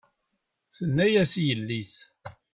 Thenna-yas i yelli-s.